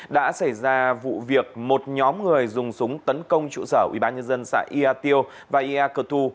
đã xảy ra vụ việc một nhóm người dùng súng tấn công trụ sở ubnd xã ia tiêu và ia cơ tu